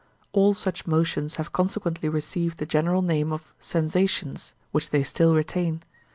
All such motions have consequently received the general name of 'sensations,' which they still retain.